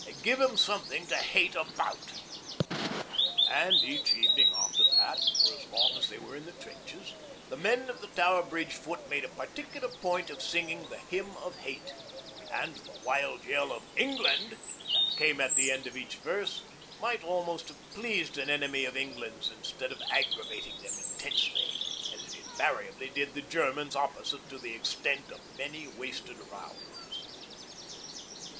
'give 'em something to hate about.' And each evening after that, for as long as they were in the trenches, the men of the Tower Bridge Foot made a particular point of singing the 'Hymn of Hate,' and the wild yell of 'England' that came at the end of each verse might almost have pleased any enemy of England's instead of aggravating them intensely, as it invariably did the Germans opposite, to the extent of many wasted rounds.